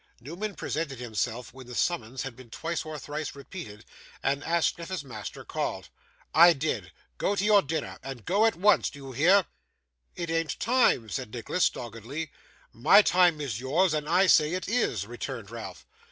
Newman presented himself when the summons had been twice or thrice repeated, and asked if his master called. 'I did. Go to your dinner. And go at once. Do you hear?' 'It an't time,' said Newman, doggedly. 'My time is yours, and I say it is,' returned Ralph.